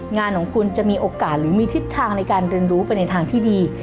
งานของคุณจะมีโอกาสหรือมีทิศทางในการเรียนรู้ไปในทางที่ดี